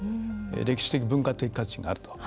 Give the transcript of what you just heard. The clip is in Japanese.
歴史的、文化的価値があると。